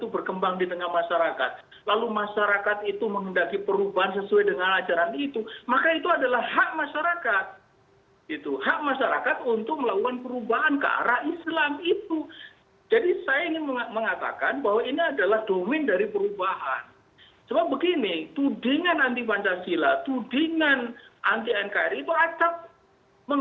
purda itu dilarang